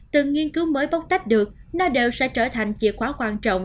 từ nghiên cứu mới bóc tách được nó đều sẽ trở thành chìa khóa quan trọng